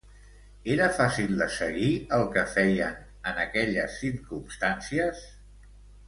Era fàcil de seguir el que feien, en aquelles circumstàncies?